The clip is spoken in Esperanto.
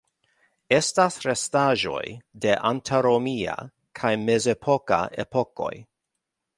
Estas restaĵoj de antaŭromia kaj mezepoka epokoj.